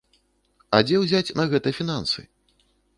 А дзе ўзяць на гэта фінансы?